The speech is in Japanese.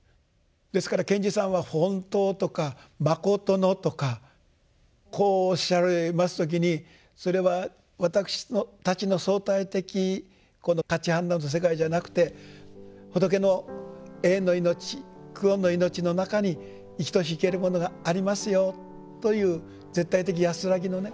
ですから賢治さんは「ほんたう」とか「まことの」とかこうおっしゃられます時にそれは私たちの相対的この価値判断の世界じゃなくて仏の永遠の命久遠の命の中に生きとし生けるものがありますよという絶対的安らぎのね